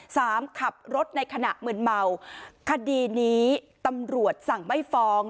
ขับรถในขณะมืนเมาคดีนี้ตำรวจสั่งไม่ฟ้อง